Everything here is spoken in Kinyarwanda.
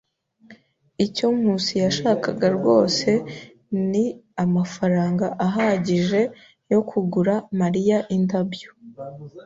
Icyo Nkusi yashakaga rwose ni amafaranga ahagije yo kugura Mariya indabyo.